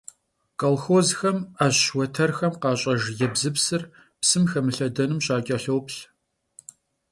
Kolxozxem 'eş vueterxem khaş'ejj yêbzıpsır psım xemılhedenım şaç'elhoplh.